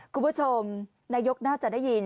คุณผู้ชมนายกน่าจะได้ยิน